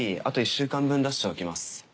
あと１週間分出しておきます。